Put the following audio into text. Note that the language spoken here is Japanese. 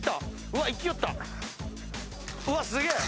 うわっすげえ！